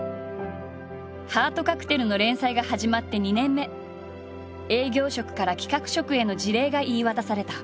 「ハートカクテル」の連載が始まって２年目営業職から企画職への辞令が言い渡された。